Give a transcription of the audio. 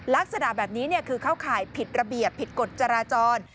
ลักษณะแบบนี้คือเข้าข่ายผิดระเบียบผิดกฎจราจร